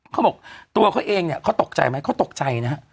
เขาบอกตัวเขาเองเนี่ยเขาตกใจไหมเขาตกใจนะฮะ